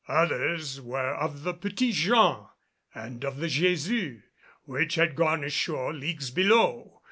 Others were of the Petit Jean and of the Jesus, which had gone ashore leagues below.